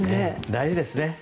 大事ですね。